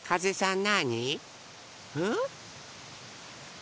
ん？